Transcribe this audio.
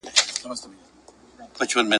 ما یې قبر دی لیدلی چي په کاڼو وي ویشتلی !.